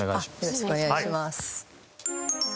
よろしくお願いします。